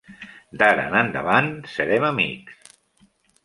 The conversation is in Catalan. D'ara en endavant serem amics.